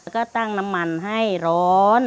แล้วก็ตั้งน้ำมันให้ร้อน